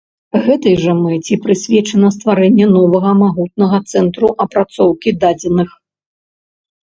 Гэтай жа мэце прысвечана стварэнне новага магутнага цэнтру апрацоўкі дадзеных.